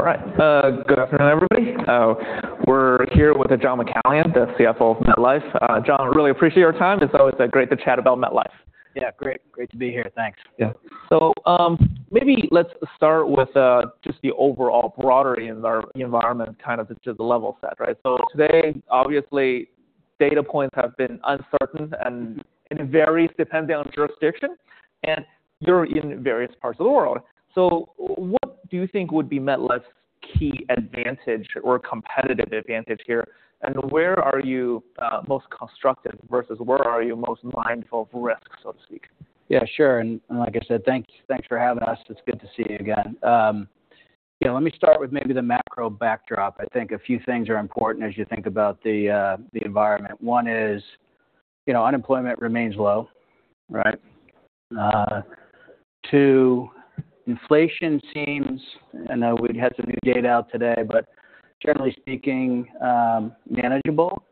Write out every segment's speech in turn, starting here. All right. Good afternoon, everybody. We're here with John McCallion, the CFO of MetLife. John, really appreciate your time. It's always great to chat about MetLife. Yeah, great to be here. Thanks. Yeah. Maybe let's start with just the overall broader environment, kind of just the level set, right? Today, obviously, data points have been uncertain, and it varies depending on jurisdiction, and you're in various parts of the world. What do you think would be MetLife's key advantage or competitive advantage here? Where are you most constructive versus where are you most mindful of risk, so to speak? Yeah, sure. Like I said, thanks for having us. It's good to see you again. Yeah, let me start with maybe the macro backdrop. I think a few things are important as you think about the environment. One is, unemployment remains low. Right? Two, inflation seems, I know we had some new data out today, but generally speaking, manageable.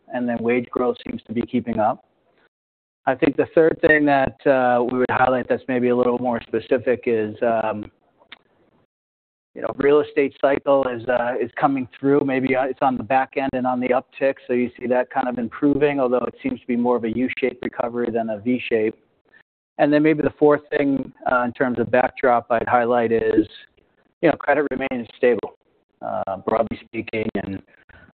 Wage growth seems to be keeping up. I think the third thing that we would highlight that's maybe a little more specific is, real estate cycle is coming through. Maybe it's on the back end and on the uptick, so you see that kind of improving, although it seems to be more of a U-shaped recovery than a V shape. Maybe the fourth thing in terms of backdrop I'd highlight is, credit remains stable, broadly speaking.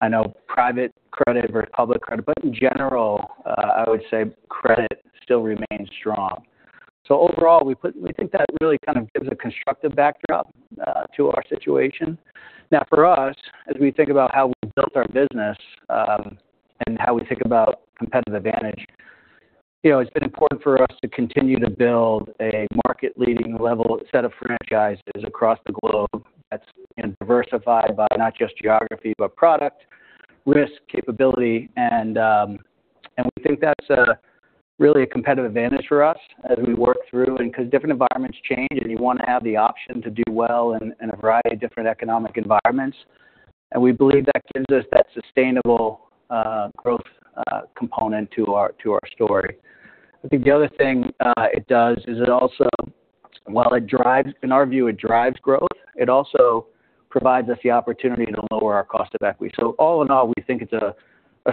I know private credit versus public credit, but in general, I would say credit still remains strong. Overall, we think that really kind of gives a constructive backdrop to our situation. For us, as we think about how we've built our business, and how we think about competitive advantage, it's been important for us to continue to build a market-leading level set of franchises across the globe that's diversified by not just geography, but product, risk, capability, and we think that's really a competitive advantage for us as we work through. Because different environments change, and you want to have the option to do well in a variety of different economic environments. We believe that gives us that sustainable growth component to our story. I think the other thing it does is it also, while it drives, in our view, it drives growth, it also provides us the opportunity to lower our cost of equity. All in all, we think it's a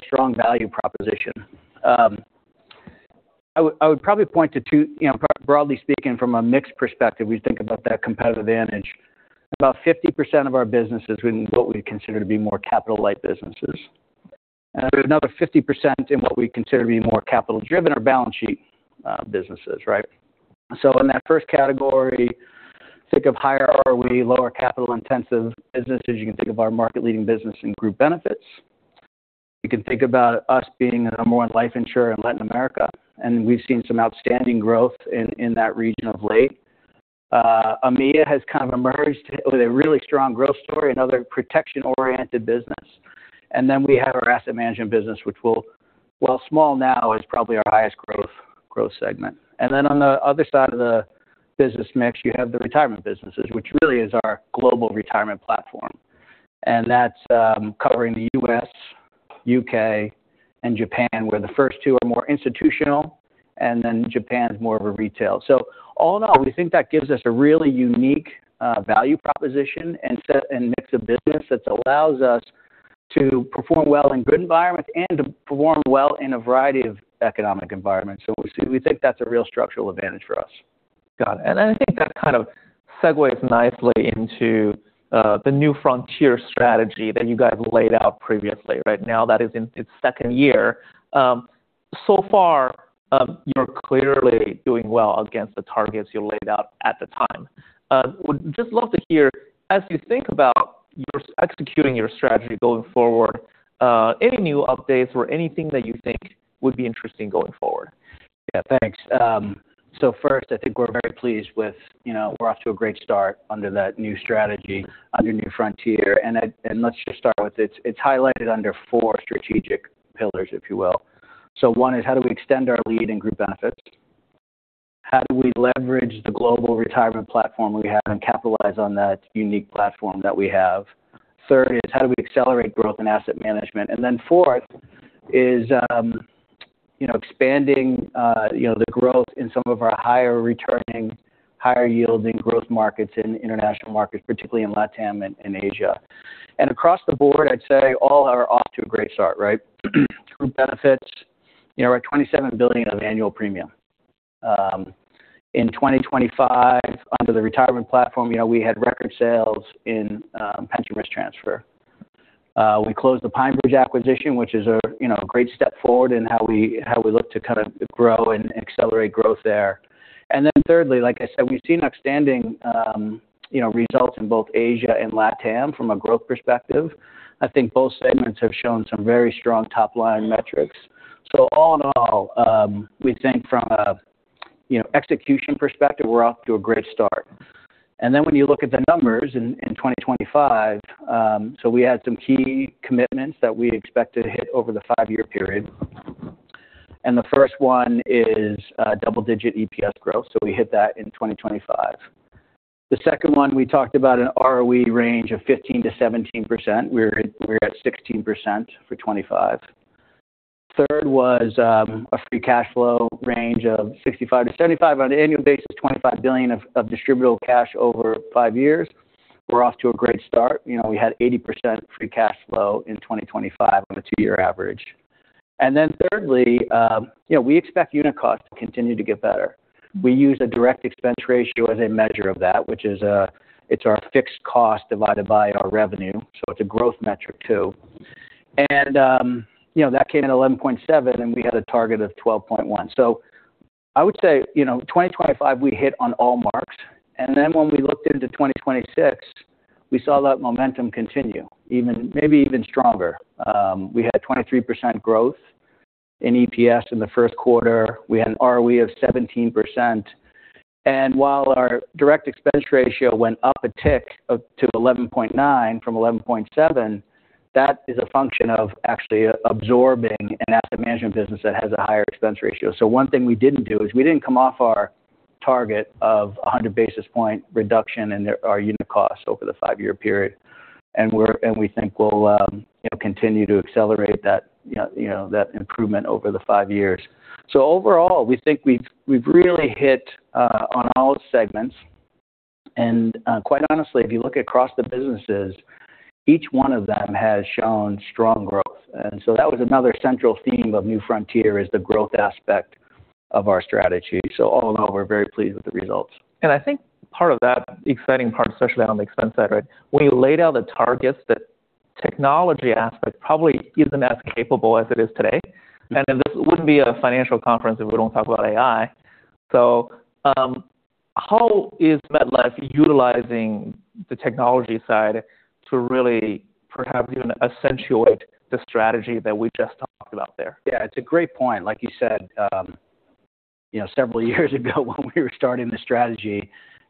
strong value proposition. I would probably point to two, broadly speaking, from a mix perspective, we think about that competitive advantage. About 50% of our business is in what we consider to be more capital-light businesses. There's another 50% in what we consider to be more capital-driven or balance sheet businesses, right? In that first category, think of higher ROE, lower capital-intensive businesses. You can think of our market-leading business in Group Benefits. You can think about us being a more life insurer in Latin America, and we've seen some outstanding growth in that region of late. EMEA has kind of emerged with a really strong growth story, another protection-oriented business. We have our asset management business, which while small now, is probably our highest growth segment. On the other side of the business mix, you have the retirement businesses, which really is our global retirement platform. That's covering the U.S., U.K., and Japan, where the first two are more institutional, and then Japan is more of a retail. All in all, we think that gives us a really unique value proposition and mix of business that allows us to perform well in good environments and to perform well in a variety of economic environments. We think that's a real structural advantage for us. Got it. I think that kind of segues nicely into the New Frontier strategy that you guys laid out previously. Right now, that is in its second year. You're clearly doing well against the targets you laid out at the time. Would just love to hear, as you think about executing your strategy going forward, any new updates or anything that you think would be interesting going forward? Yeah, thanks. First, I think we're very pleased with, we're off to a great start under that new strategy, under New Frontier. Let's just start with it. It's highlighted under four strategic pillars, if you will. One is, how do we extend our lead in Group Benefits? How do we leverage the global retirement platform we have and capitalize on that unique platform that we have? Third is, how do we accelerate growth in asset management? Fourth is expanding the growth in some of our higher-returning, higher-yielding growth markets in international markets, particularly in LATAM and Asia. Across the board, I'd say all are off to a great start, right? Group Benefits, we're at $27 billion of annual premium. In 2025, under the retirement platform, we had record sales in pension risk transfer. We closed the PineBridge acquisition, which is a great step forward in how we look to kind of grow and accelerate growth there. Thirdly, like I said, we've seen outstanding results in both Asia and LATAM from a growth perspective. I think both segments have shown some very strong top-line metrics. All in all, we think from an execution perspective, we're off to a great start. When you look at the numbers in 2025, we had some key commitments that we expected to hit over the five-year period. The first one is double-digit EPS growth. We hit that in 2025. The second one, we talked about an ROE range of 15%-17%. We're at 16% for 2025. Third was a free cash flow range of $65-$75 on an annual basis, $25 billion of distributable cash over five years. We're off to a great start. We had 80% free cash flow in 2025 on a two-year average. Thirdly, we expect unit costs to continue to get better. We use a direct expense ratio as a measure of that, which is our fixed cost divided by our revenue, so it's a growth metric, too. That came in 11.7, and we had a target of 12.1. I would say, 2025, we hit on all marks. When we looked into 2026, we saw that momentum continue, maybe even stronger. We had 23% growth in EPS in the first quarter. We had an ROE of 17%. While our direct expense ratio went up a tick to 11.9 from 11.7, that is a function of actually absorbing an asset management business that has a higher expense ratio. One thing we didn't do is we didn't come off our target of 100 basis point reduction in our unit costs over the five-year period. We think we'll continue to accelerate that improvement over the five years. Overall, we think we've really hit on all segments. Quite honestly, if you look across the businesses, each one of them has shown strong growth. That was another central theme of New Frontier is the growth aspect of our strategy. All in all, we're very pleased with the results. I think part of that exciting part, especially on the expense side. When you laid out the targets, the technology aspect probably isn't as capable as it is today. This wouldn't be a financial conference if we don't talk about AI. How is MetLife utilizing the technology side to really perhaps even accentuate the strategy that we just talked about there? Yeah, it's a great point. Like you said, several years ago when we were starting the strategy,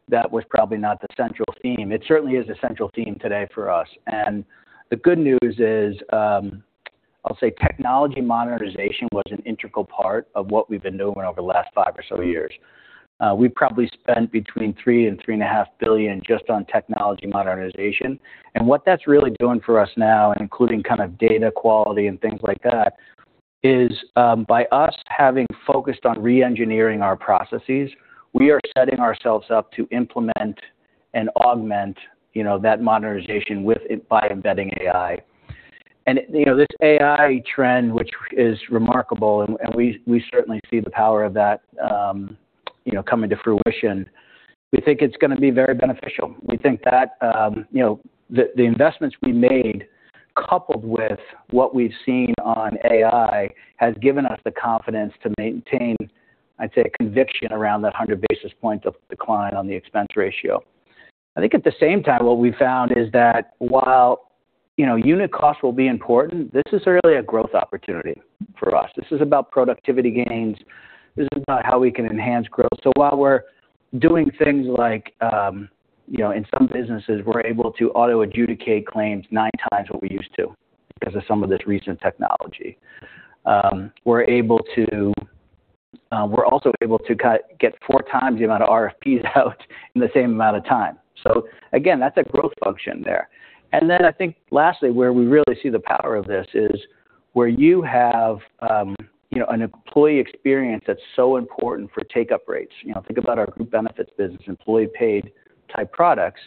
that was probably not the central theme. It certainly is a central theme today for us. The good news is, I'll say technology modernization was an integral part of what we've been doing over the last five or so years. We've probably spent between $3 and $3.5 billion just on technology modernization. What that's really doing for us now, including data quality and things like that, is by us having focused on re-engineering our processes, we are setting ourselves up to implement and augment that modernization by embedding AI. This AI trend, which is remarkable, and we certainly see the power of that coming to fruition. We think it's going to be very beneficial. We think that the investments we made, coupled with what we've seen on AI, has given us the confidence to maintain, I'd say, a conviction around that 100 basis points of decline on the expense ratio. I think at the same time, what we've found is that while unit costs will be important, this is really a growth opportunity for us. This is about productivity gains. This is about how we can enhance growth. While we're doing things like in some businesses, we're able to auto adjudicate claims nine times what we used to because of some of this recent technology. We're also able to get four times the amount of RFPs out in the same amount of time. Again, that's a growth function there. I think lastly, where we really see the power of this is where you have an employee experience that's so important for take-up rates. Think about our Group Benefits business, employee-paid type products.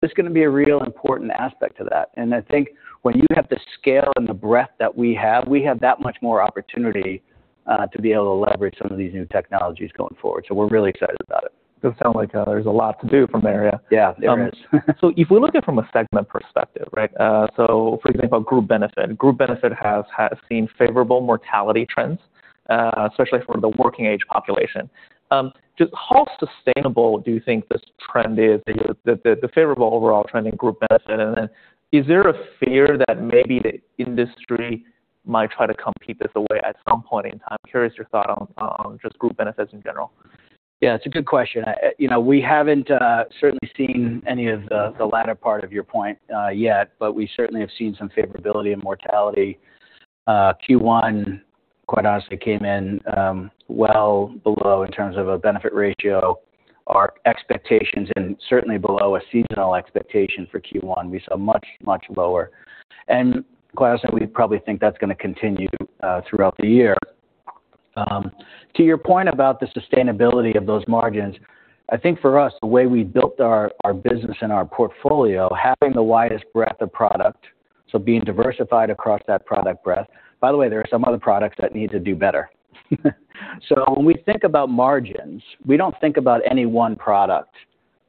That's going to be a real important aspect to that. I think when you have the scale and the breadth that we have, we have that much more opportunity to be able to leverage some of these new technologies going forward. We're really excited about it. Does sound like there's a lot to do from there, yeah. Yeah, there is. If we look at it from a segment perspective. For example, Group Benefits. Group Benefits has seen favorable mortality trends, especially for the working age population. Just how sustainable do you think this trend is, the favorable overall trend in Group Benefits? Is there a fear that maybe the industry might try to compete this away at some point in time? Curious your thought on just Group Benefits in general. Yeah, it's a good question. We haven't certainly seen any of the latter part of your point yet, but we certainly have seen some favorability in mortality. Q1, quite honestly, came in well below in terms of a benefit ratio our expectations, and certainly below a seasonal expectation for Q1. We saw much, much lower. Quite honestly, we probably think that's going to continue throughout the year. To your point about the sustainability of those margins, I think for us, the way we built our business and our portfolio, having the widest breadth of product, so being diversified across that product breadth. By the way, there are some other products that need to do better. When we think about margins, we don't think about any one product.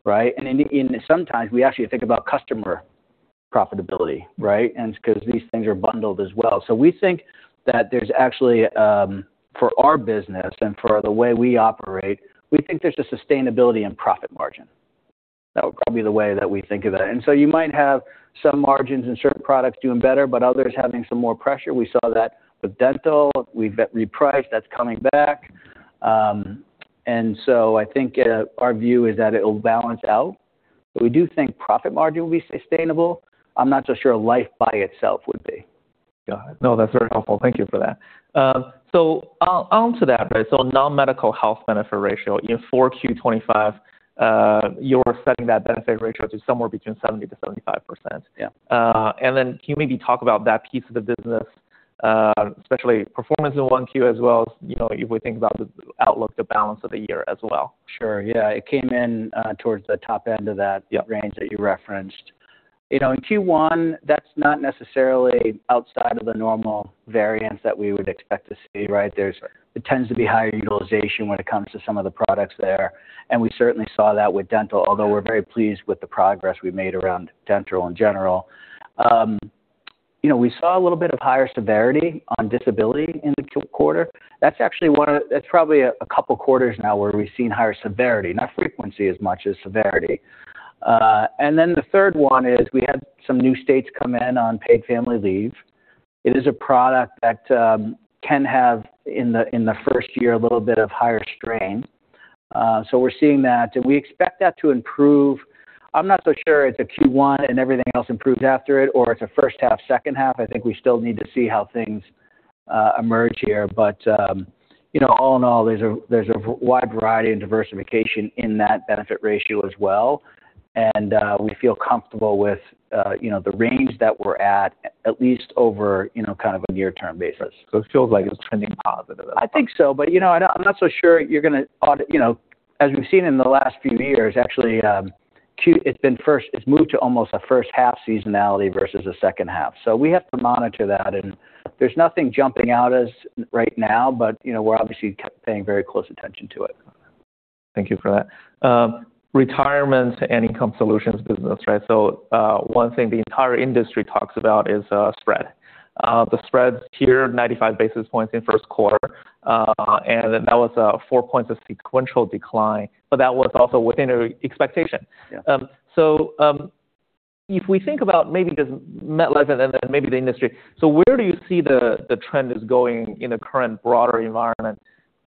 Sometimes we actually think about customer profitability. These things are bundled as well. We think that there's actually, for our business and for the way we operate, we think there's a sustainability in profit margin. That would probably be the way that we think of it. You might have some margins in certain products doing better, but others having some more pressure. We saw that with Dental. We've repriced. That's coming back. I think our view is that it'll balance out. We do think profit margin will be sustainable. I'm not so sure life by itself would be. Got it. That's very helpful. Thank you for that. Non-medical health benefit ratio in 4Q 2025, you're setting that benefit ratio to somewhere between 70%-75%. Yeah. Can you maybe talk about that piece of the business? Especially performance in 1Q as well, if we think about the outlook, the balance of the year as well. Sure, yeah. It came in towards the top end of that. Yep. range that you referenced. In Q1, that's not necessarily outside of the normal variance that we would expect to see, right? There tends to be higher utilization when it comes to some of the products there, and we certainly saw that with Dental, although we're very pleased with the progress we've made around Dental in general. We saw a little bit of higher severity on Disability insurance in the quarter. That's probably a couple quarters now where we've seen higher severity. Not frequency as much as severity. The third one is we had some new states come in on paid family leave. It is a product that can have, in the first year, a little bit of higher strain. We're seeing that. We expect that to improve. I'm not so sure it's a Q1 and everything else improves after it, or it's a first half, second half. I think we still need to see how things emerge here. All in all, there's a wide variety and diversification in that benefit ratio as well, and we feel comfortable with the range that we're at least over a near-term basis. It feels like it's trending positive. I think so, but I'm not so sure you're going to, as we've seen in the last few years, actually, it's moved to almost a first half seasonality versus a second half. We have to monitor that, and there's nothing jumping out at us right now, but we're obviously paying very close attention to it. Thank you for that. Retirement and Income Solutions business. One thing the entire industry talks about is spread. The spreads here, 95 basis points in the first quarter, that was a 4 points of sequential decline, that was also within our expectation. Yeah. If we think about maybe just MetLife and maybe the industry, where do you see the trend is going in the current broader environment,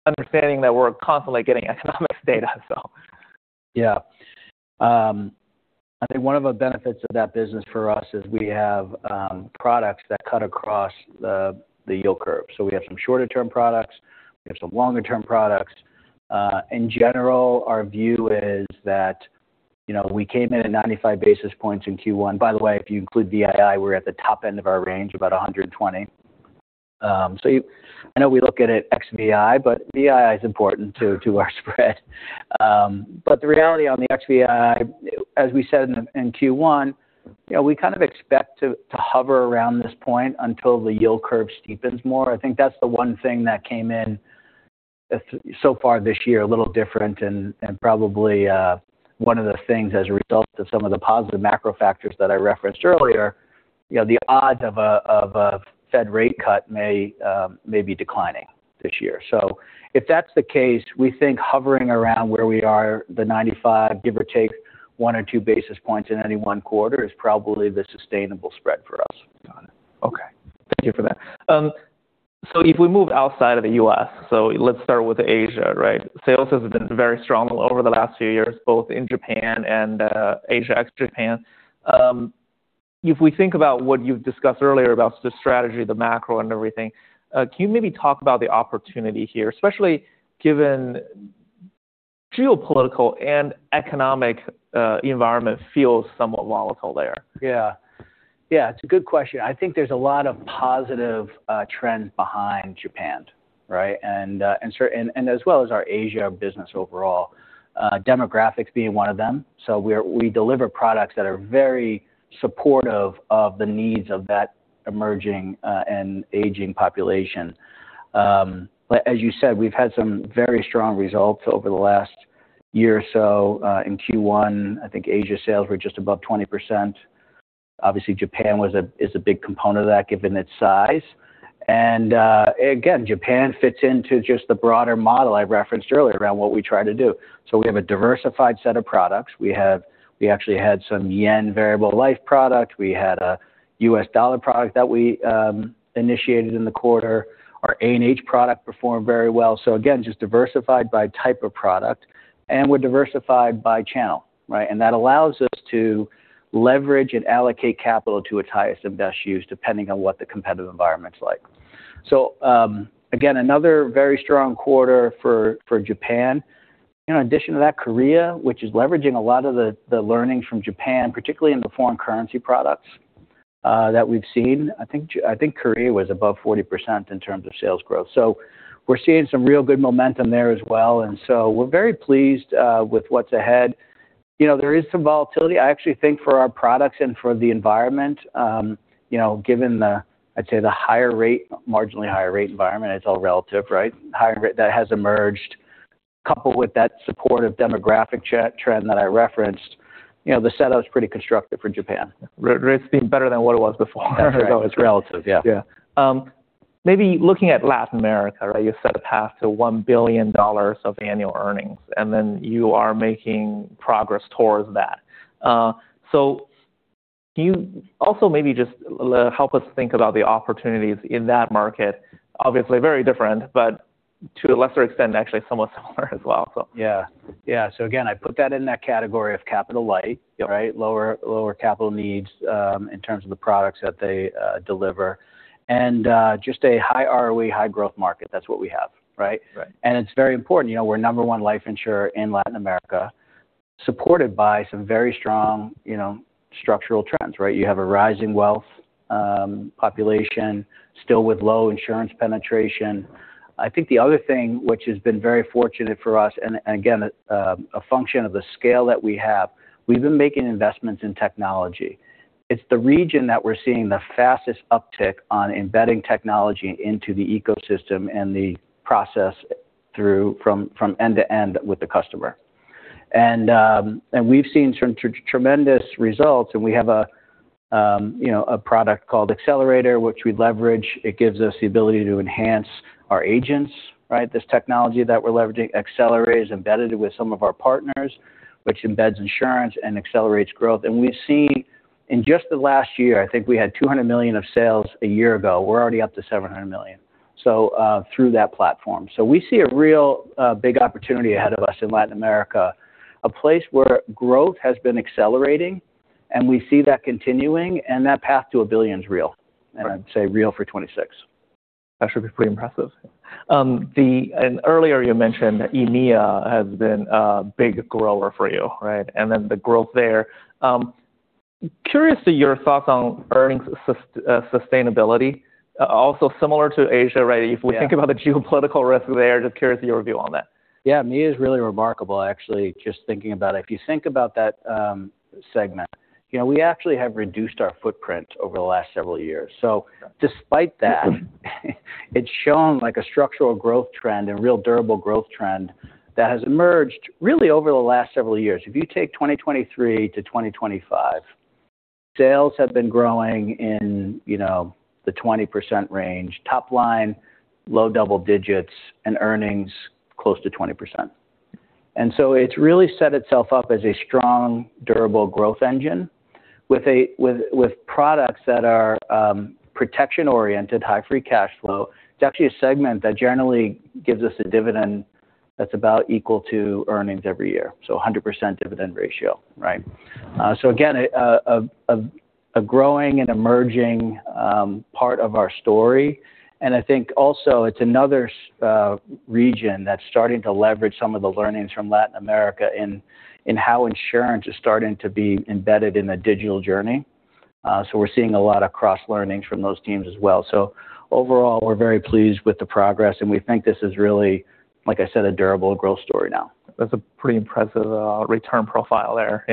understanding that we're constantly getting economic data? Yeah. I think one of the benefits of that business for us is we have products that cut across the yield curve. We have some shorter-term products, we have some longer-term products. In general, our view is that we came in at 95 basis points in Q1. By the way, if you include VII, we're at the top end of our range, about 120. I know we look at it ex-dividend, VII is important too, to our spread. The reality on the ex-dividend, as we said in Q1, we kind of expect to hover around this point until the yield curve steepens more. I think that's the one thing that came in so far this year, a little different and probably one of the things as a result of some of the positive macro factors that I referenced earlier. The odds of a Fed rate cut may be declining this year. If that's the case, we think hovering around where we are, the 95, give or take 1 or 2 basis points in any one quarter, is probably the sustainable spread for us. Got it. Okay. Thank you for that. If we move outside of the U.S., let's start with Asia, right? Sales have been very strong over the last few years, both in Japan and Asia ex Japan. If we think about what you've discussed earlier about the strategy, the macro, and everything, can you maybe talk about the opportunity here, especially given geopolitical and economic environment feels somewhat volatile there. Yeah. It's a good question. I think there's a lot of positive trends behind Japan, right? As well as our Asia business overall, demographics being one of them. We deliver products that are very supportive of the needs of that emerging and aging population. As you said, we've had some very strong results over the last year or so. In Q1, I think Asia sales were just above 20%. Obviously, Japan is a big component of that, given its size. Again, Japan fits into just the broader model I referenced earlier around what we try to do. We have a diversified set of products. We actually had some yen variable life product. We had a U.S. dollar product that we initiated in the quarter. Our A&H product performed very well. Again, just diversified by type of product, and we're diversified by channel, right? That allows us to leverage and allocate capital to its highest and best use, depending on what the competitive environment's like. Again, another very strong quarter for Japan. In addition to that, Korea, which is leveraging a lot of the learnings from Japan, particularly in the foreign currency products that we've seen. I think Korea was above 40% in terms of sales growth. We're seeing some real good momentum there as well, we're very pleased with what's ahead. There is some volatility. I actually think for our products and for the environment, given the, I'd say the higher rate, marginally higher rate environment, it's all relative, right? Higher rate that has emerged, coupled with that supportive demographic trend that I referenced. The setup's pretty constructive for Japan. Risk being better than what it was before. It's relative, yeah. Maybe looking at Latin America, you set a path to $1 billion of annual earnings, you are making progress towards that. Can you also maybe just help us think about the opportunities in that market? Obviously very different, but to a lesser extent, actually somewhat similar as well. Again, I put that in that category of capital light. Yep. Right? Lower capital needs in terms of the products that they deliver. Just a high ROE, high growth market. That's what we have, right? Right. It's very important. We're number one life insurer in Latin America, supported by some very strong structural trends. You have a rising wealth population still with low insurance penetration. The other thing which has been very fortunate for us, and again, a function of the scale that we have, we've been making investments in technology. It's the region that we're seeing the fastest uptick in embedding technology into the ecosystem and the process from end to end with the customer. We've seen tremendous results, and we have a product called Accelerator, which we leverage. It gives us the ability to enhance our agents. This technology that we're leveraging, Accelerate, is embedded with some of our partners, which embeds insurance and accelerates growth. We've seen in just the last year, we had $200 million of sales a year ago. We're already up to $700 million through that platform. We see a real big opportunity ahead of us in Latin America, a place where growth has been accelerating, and we see that continuing, and that path to $1 billion is real, and I'd say real for 2026. That should be pretty impressive. Earlier you mentioned EMEA has been a big grower for you. The growth there. Curious your thoughts on earnings sustainability. Also similar to Asia, if we think about the geopolitical risk there, just curious your view on that. EMEA is really remarkable, actually, just thinking about it. If you think about that segment, we actually have reduced our footprint over the last several years. Despite that, it's shown a structural growth trend and real durable growth trend that has emerged really over the last several years. If you take 2023 to 2025, sales have been growing in the 20% range, top line low double digits, and earnings close to 20%. It's really set itself up as a strong, durable growth engine with products that are protection-oriented, high free cash flow. It's actually a segment that generally gives us a dividend that's about equal to earnings every year. 100% dividend ratio. A growing and emerging part of our story, and I think also it's another region that's starting to leverage some of the learnings from Latin America in how insurance is starting to be embedded in the digital journey. We're seeing a lot of cross-learnings from those teams as well. Overall, we're very pleased with the progress, and we think this is really, like I said, a durable growth story now. That's a pretty impressive return profile there.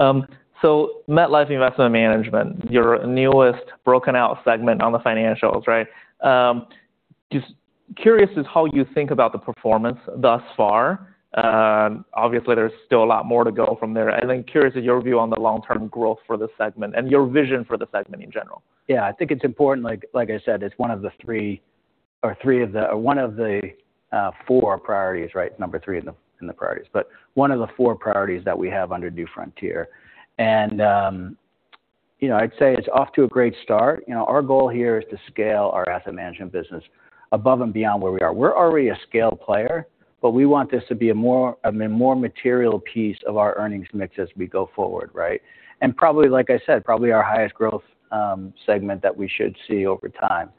MetLife Investment Management, your newest broken-out segment on the financials. Just curious how you think about the performance thus far. Obviously, there's still a lot more to go from there. Curious of your view on the long-term growth for this segment and your vision for the segment in general. I think it's important, like I said, it's one of the four priorities. Number three in the priorities, but one of the four priorities that we have under New Frontier. I'd say it's off to a great start. Our goal here is to scale our asset management business above and beyond where we are. We're already a scale player, but we want this to be a more material piece of our earnings mix as we go forward. Probably, like I said, probably our highest growth segment that we should see over time.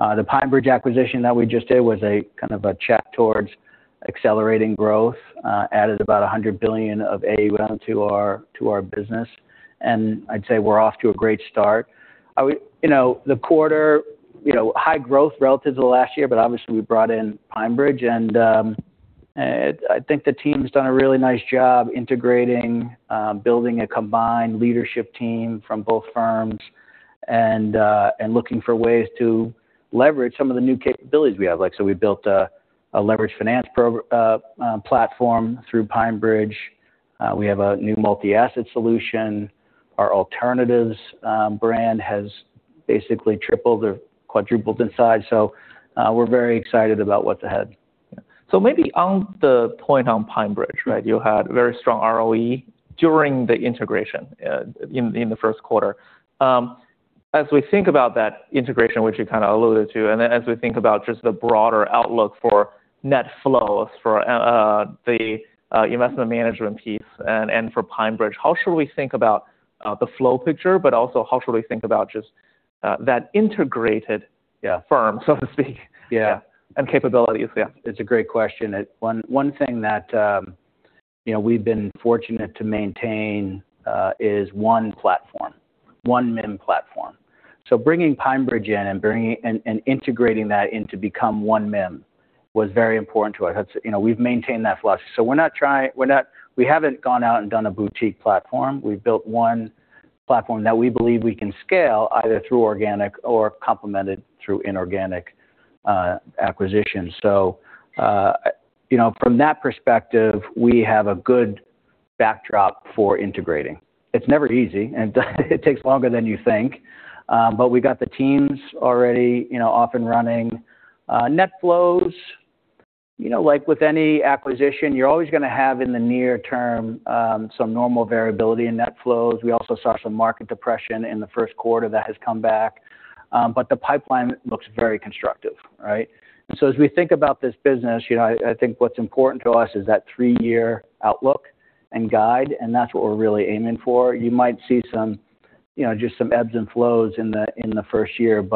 The PineBridge acquisition that we just did was a check towards accelerating growth, added about $100 billion of AUM to our business, and I'd say we're off to a great start. The quarter, high growth relative to the last year, obviously we brought in PineBridge and I think the team's done a really nice job integrating, building a combined leadership team from both firms, and looking for ways to leverage some of the new capabilities we have. We built a leveraged finance platform through PineBridge. We have a new multi-asset solution. Our alternatives brand has basically tripled or quadrupled in size. We're very excited about what's ahead. Maybe on the point on PineBridge. You had very strong ROE during the integration in the first quarter. As we think about that integration, which you kind of alluded to, as we think about just the broader outlook for net flows for the investment management piece and for PineBridge, how should we think about the flow picture, but also how should we think about just that integrated firm, so to speak? Yeah. Capabilities. It's a great question. One thing that we've been fortunate to maintain is one platform, one MIM platform. Bringing PineBridge in and integrating that to become one MIM was very important to us. We've maintained that flush. We haven't gone out and done a boutique platform. We've built one platform that we believe we can scale, either through organic or complemented through inorganic acquisitions. From that perspective, we have a good backdrop for integrating. It's never easy, and it takes longer than you think. We got the teams already off and running. Net flows, like with any acquisition, you're always going to have in the near term, some normal variability in net flows. We also saw some market depression in the first quarter that has come back. The pipeline looks very constructive. As we think about this business, I think what's important to us is that three-year outlook and guide, and that's what we're really aiming for. You might see just some ebbs and flows in the first year.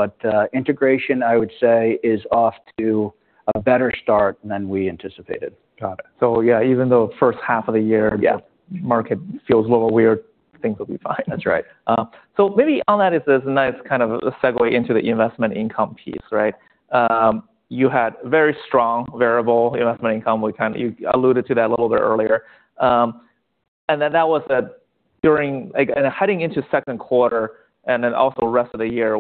Integration, I would say, is off to a better start than we anticipated. Got it. Yeah, even though first half of the year- Yeah. market feels a little weird, things will be fine. That's right. Maybe on that is this nice kind of segue into the investment income piece, right? You had very strong variable investment income. You alluded to that a little bit earlier. Heading into second quarter, and then also rest of the year,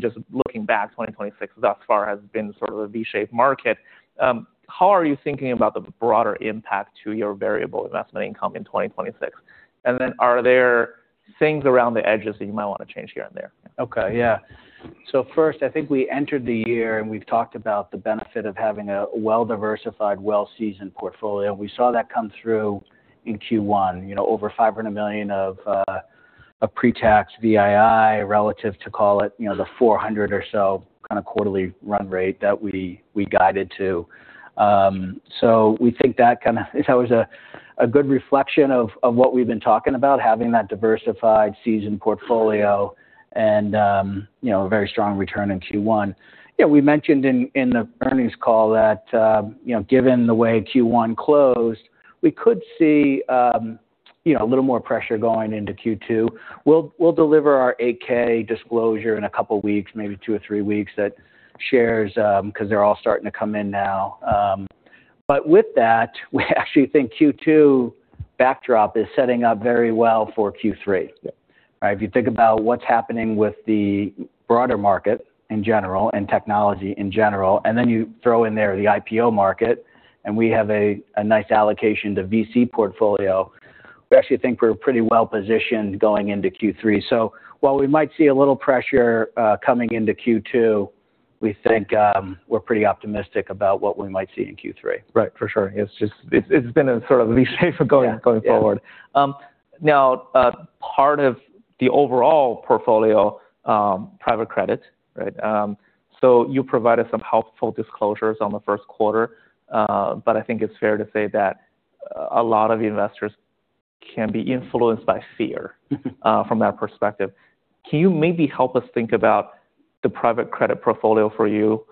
just looking back 2026 thus far has been sort of a V-shaped market. How are you thinking about the broader impact to your variable investment income in 2026? Are there things around the edges that you might want to change here and there? Okay. Yeah. First, I think we entered the year, and we've talked about the benefit of having a well-diversified, well-seasoned portfolio. We saw that come through in Q1, over $500 million of pre-tax VII relative to call it, the $400 or so kind of quarterly run rate that we guided to. We think that was a good reflection of what we've been talking about, having that diversified seasoned portfolio and a very strong return in Q1. Yeah, we mentioned in the earnings call that given the way Q1 closed, we could see a little more pressure going into Q2. We'll deliver our 8-K disclosure in a couple of weeks, maybe two or three weeks, that shares, because they're all starting to come in now. With that, we actually think Q2 backdrop is setting up very well for Q3. Yeah. If you think about what's happening with the broader market in general and technology in general, then you throw in there the IPO market, and we have a nice allocation to VC portfolio. We actually think we're pretty well-positioned going into Q3. While we might see a little pressure coming into Q2, we think we're pretty optimistic about what we might see in Q3. Right. For sure. It's been in sort of V-shape going forward. Yeah. Now, part of the overall portfolio private credit. You provided some helpful disclosures on the first quarter. I think it's fair to say that a lot of investors can be influenced by fear from that perspective. Can you maybe help us think about the private credit portfolio for you,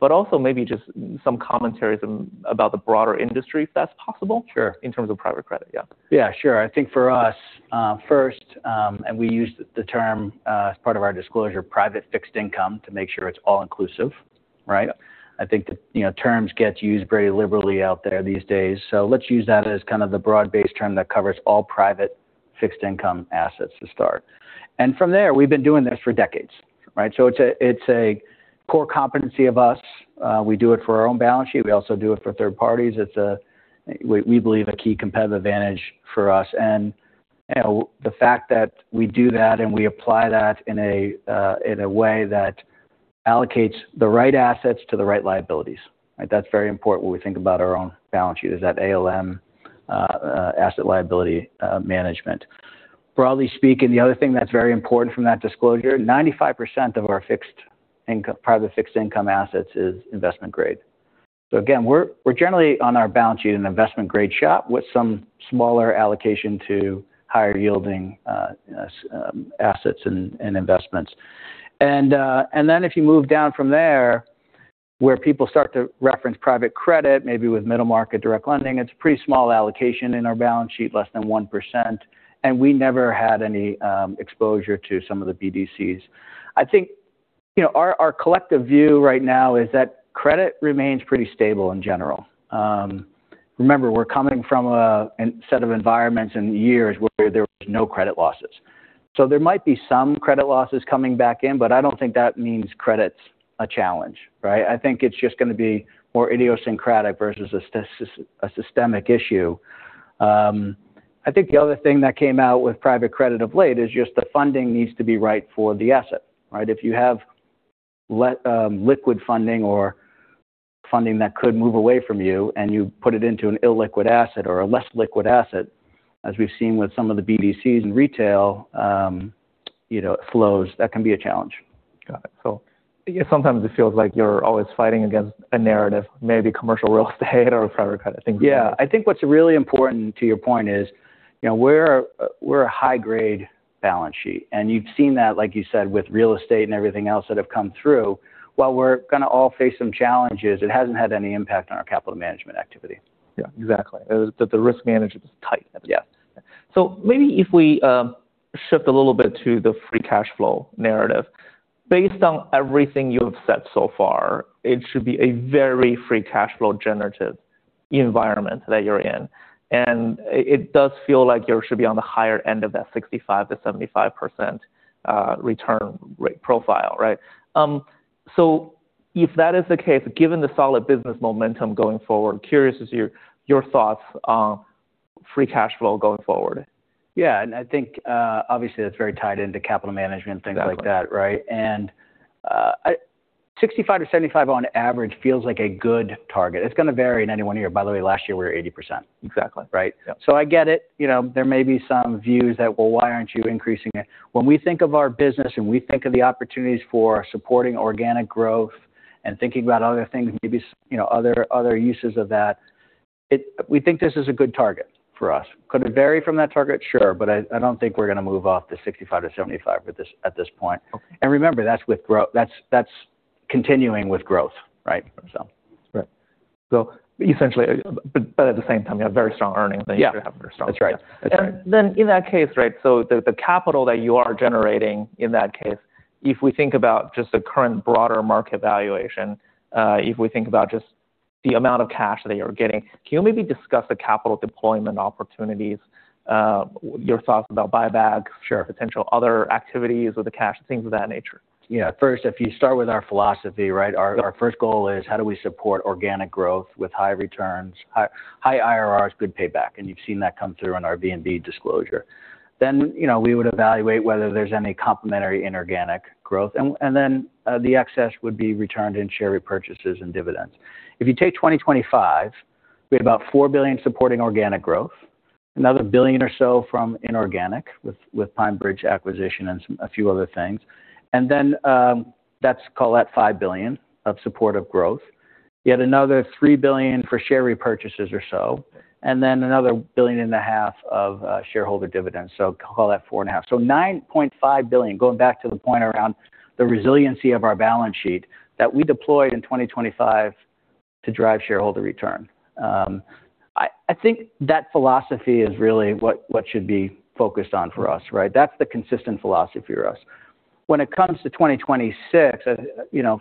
but also maybe just some commentaries about the broader industry, if that's possible? Sure. In terms of private credit, yeah. Yeah. Sure. I think for us, first, we use the term as part of our disclosure, private fixed income, to make sure it's all-inclusive. Right. I think terms get used very liberally out there these days. Let's use that as kind of the broad-based term that covers all private fixed income assets to start. From there, we've been doing this for decades, right? It's a core competency of us. We do it for our own balance sheet. We also do it for third parties. It's we believe a key competitive advantage for us. The fact that we do that and we apply that in a way that allocates the right assets to the right liabilities. That's very important when we think about our own balance sheet, is that ALM, asset liability management. Broadly speaking, the other thing that's very important from that disclosure, 95% of our private fixed income assets is investment grade. Again, we're generally on our balance sheet an investment grade shop with some smaller allocation to higher yielding assets and investments. Then if you move down from there, where people start to reference private credit, maybe with middle market direct lending, it's pretty small allocation in our balance sheet, less than 1%. We never had any exposure to some of the BDCs. I think our collective view right now is that credit remains pretty stable in general. Remember, we're coming from a set of environments and years where there was no credit losses. There might be some credit losses coming back in, I don't think that means credit's a challenge, right? I think it's just going to be more idiosyncratic versus a systemic issue. I think the other thing that came out with private credit of late is just the funding needs to be right for the asset. If you have liquid funding or funding that could move away from you put it into an illiquid asset or a less liquid asset, as we've seen with some of the BDCs in retail, it flows. That can be a challenge. Got it. Sometimes it feels like you're always fighting against a narrative, maybe commercial real estate or private credit, things like that. I think what's really important to your point is we're a high grade balance sheet, and you've seen that, like you said, with real estate and everything else that have come through. While we're going to all face some challenges, it hasn't had any impact on our capital management activity. Exactly. That the risk management is tight. Yeah. Maybe if we shift a little bit to the free cash flow narrative. Based on everything you have said so far, it should be a very free cash flow generative environment that you're in. It does feel like you should be on the higher end of that 65%-75% return rate profile, right? If that is the case, given the solid business momentum going forward, curious as to your thoughts on free cash flow going forward. Yeah, I think obviously that's very tied into capital management, things like that. Exactly. Right. 65%-75% on average feels like a good target. It's going to vary in any one year. By the way, last year we were 80%. Exactly. Right. Yeah. I get it. There may be some views that, "Well, why aren't you increasing it?" When we think of our business and we think of the opportunities for supporting organic growth and thinking about other things, maybe other uses of that. We think this is a good target for us. Could it vary from that target? Sure. I don't think we're going to move off the 65%-75% at this point. Okay. Remember, that's continuing with growth, right? Right. At the same time, you have very strong earnings. Yeah. That you should have very strong. That's right. In that case, the capital that you are generating in that case, if we think about just the current broader market valuation, if we think about just the amount of cash that you're getting, can you maybe discuss the capital deployment opportunities, your thoughts about buyback. Sure. potential other activities with the cash, things of that nature? Yeah. If you start with our philosophy, our first goal is how do we support organic growth with high returns, high IRRs, good payback, and you've seen that come through in our V&D disclosure. We would evaluate whether there's any complementary inorganic growth, the excess would be returned in share repurchases and dividends. If you take 2025, we had about $4 billion supporting organic growth, another billion or so from inorganic, with PineBridge acquisition and a few other things. Let's call that $5 billion of supportive growth. Yet another $3 billion for share repurchases or so, another billion and a half of shareholder dividends, so call that four and a half. $9.5 billion, going back to the point around the resiliency of our balance sheet, that we deployed in 2025 to drive shareholder return. I think that philosophy is really what should be focused on for us. That's the consistent philosophy for us. When it comes to 2026,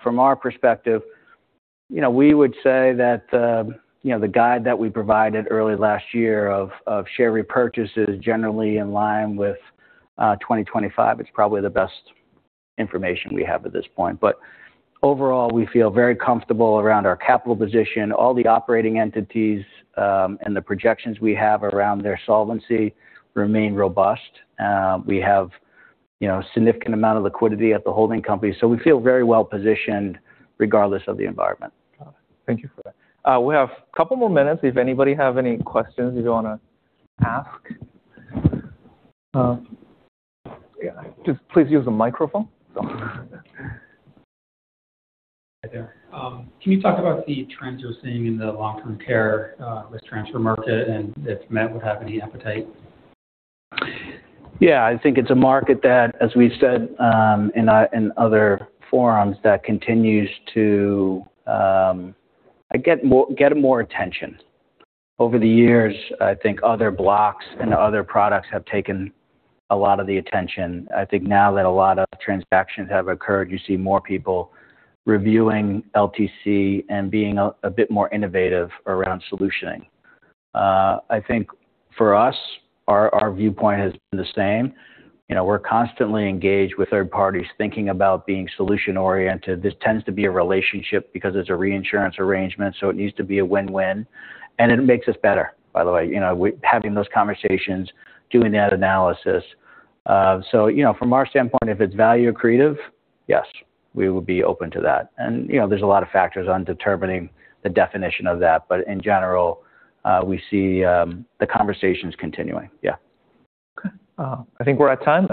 from our perspective, we would say that the guide that we provided early last year of share repurchases generally in line with 2025, it's probably the best information we have at this point. Overall, we feel very comfortable around our capital position. All the operating entities and the projections we have around their solvency remain robust. We have significant amount of liquidity at the holding company, we feel very well positioned regardless of the environment. Got it. Thank you for that. We have a couple more minutes. If anybody have any questions you want to ask. Yeah, just please use the microphone. Hi there. Can you talk about the trends you're seeing in the long-term care risk transfer market, and if Met would have any appetite? Yeah. I think it's a market that, as we've said in other forums, that continues to get more attention. Over the years, I think other blocks and other products have taken a lot of the attention. I think now that a lot of transactions have occurred, you see more people reviewing LTC and being a bit more innovative around solutioning. I think for us, our viewpoint has been the same. We're constantly engaged with third parties, thinking about being solution-oriented. This tends to be a relationship because it's a reinsurance arrangement, so it needs to be a win-win. It makes us better, by the way, having those conversations, doing that analysis. From our standpoint, if it's value accretive, yes, we would be open to that. There's a lot of factors on determining the definition of that. In general, we see the conversations continuing. Yeah. Okay. I think we're at time.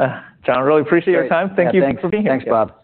John, really appreciate your time. Great. Yeah, thanks. Thank you for being here. Thanks, Bob.